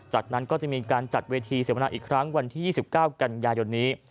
จากนั้นก็จะมีการจัดเวทีเสวนาอีกครั้งวันที่๒๙กันยายนนี้